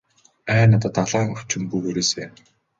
Ай надад далайн өвчин бүү хүрээсэй.